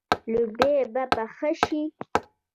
لوبیې په بدخشان کې کیږي